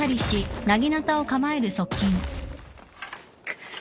くっ。